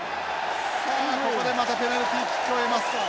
さあここでまたペナルティーキックを得ます。